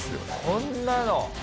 こんなの。